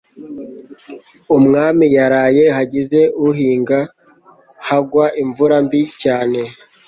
umwami yaraye, hagize uhinga hagwa imvura mbi cyane,